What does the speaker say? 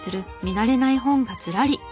慣れない本がずらり。